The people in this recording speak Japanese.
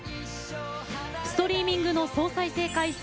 ストリーミングの総再生回数